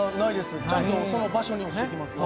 ちゃんとその場所に落ちてきます。